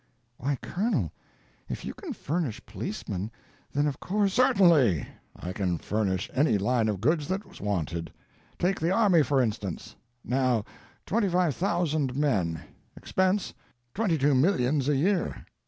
"Why, Colonel, if you can furnish policemen, then of course—" "Certainly—I can furnish any line of goods that's wanted. Take the army, for instance—now twenty five thousand men; expense, twenty two millions a year.